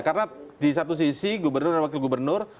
karena di satu sisi gubernur dan wakil gubernur